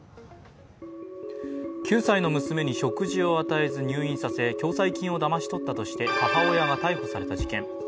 ９歳の娘に食事を与えず入院させ、共済金をだまし取ったとして母親が逮捕された事件。